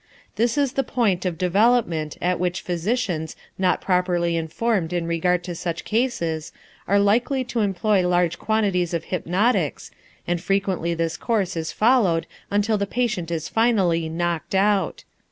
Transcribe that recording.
This is the point of development at which physicians not properly informed in regard to such cases are likely to employ large quantities of hypnotics, and frequently this course is followed until the patient is finally "knocked out."